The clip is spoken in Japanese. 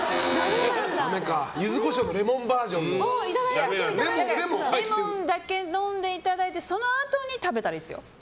ユズコショウのレモンだけ飲んでいただいてそのあとに食べたらいいんですよ。